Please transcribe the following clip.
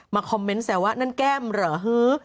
มาคอมเมนต์แสวะนั่นแก้มเหรอ